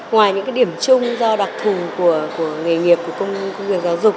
ngoài những điểm chung do đặc thù của nghề nghiệp của công việc giáo dục